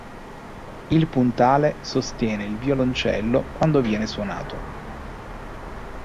Il puntale sostiene il violoncello quando viene suonato.